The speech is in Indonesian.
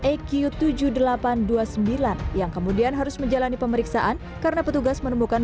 eq tujuh ribu delapan ratus dua puluh sembilan yang kemudian harus menjalani pemeriksaan karena petugas menemukan